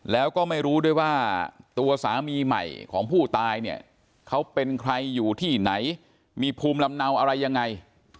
แล้วก็ไม่รู้ด้วยว่าตัวสามีใหม่ของผู้ตายเนี่ยเขาเป็นใครอยู่ที่ไหนมีภูมิลำเนาอะไรยังไง